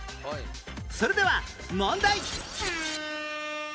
それでは問題